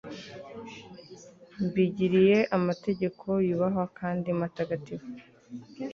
mbigiriye amategeko yubahwa kandi matagatifu